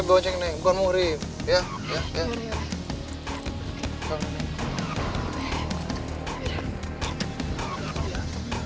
biar saya bawa cek nih gue mau ngurip ya